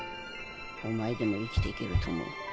お前でも生きていけると思う。